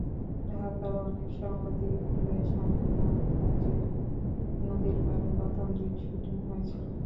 ঢাকার অনেক সাংবাদিকদের সামনে মানিকগঞ্জের নদীর পাড়ে প্রথম দিন শুটিং হয়েছিল।